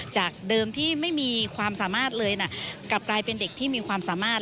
จากเดิมที่ไม่มีความสามารถเลยนะกลับกลายเป็นเด็กที่มีความสามารถ